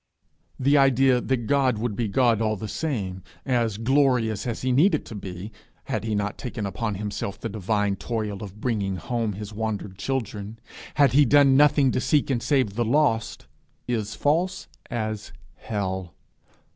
The idea that God would be God all the same, as glorious as he needed to be, had he not taken upon himself the divine toil of bringing home his wandered children, had he done nothing to seek and save the lost, is false as hell.